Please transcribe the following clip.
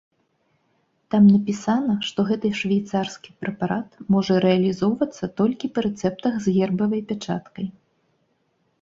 Там напісана, што гэты швейцарскі прэпарат можа рэалізоўвацца толькі па рэцэптах з гербавай пячаткай.